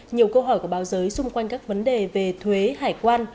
nhiều câu hỏi của báo giới xung quanh các vấn đề về thuế hải quan